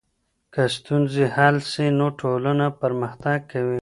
که ستونزې حل سي، نو ټولنه پرمختګ کوي.